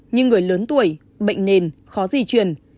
như người lớn tuổi bệnh nền khó di chuyển